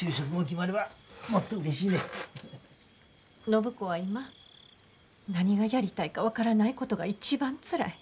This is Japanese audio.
暢子は今何がやりたいか分からないことが一番つらい。